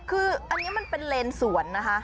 คืออันนี้มันเป็นเลนสวนนะคะ